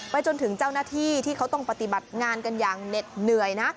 จนถึงเจ้าหน้าที่ที่เขาต้องปฏิบัติงานกันอย่างเหน็ดเหนื่อยนะ